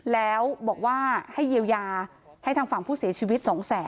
แล้วบอกว่าให้เยียวยาให้ทางฝั่งผู้เสียชีวิต๒แสน